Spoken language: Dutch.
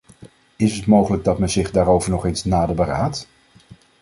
Is het mogelijk dat men zich daarover nog eens nader beraadt?